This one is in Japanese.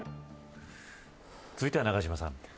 続いては永島さん。